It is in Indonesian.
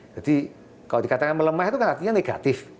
jadi kalau dikatakan melemah itu kan artinya negatif